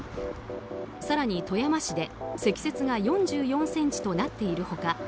更に、富山市で積雪が４４ｃｍとなっている他